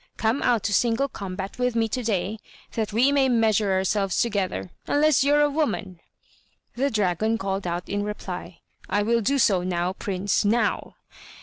come out to single combat with me to day that we may measure ourselves together, unless you're a woman." The dragon called out in reply, "I will do so now, prince now!"